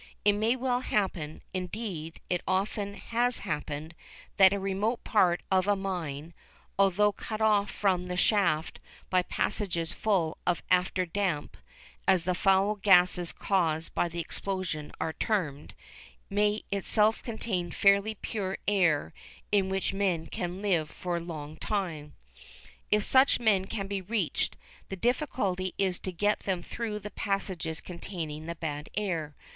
It may well happen, indeed it often has happened, that a remote part of a mine, although cut off from the shaft by passages full of "after damp," as the foul gases caused by the explosion are termed, may itself contain fairly pure air in which men can live for a long time. If such men be reached, the difficulty is to get them through the passages containing the bad air.